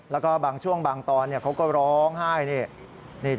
แล้วก็บางช่วงบางตอนเขาก็ร้องไห้นี่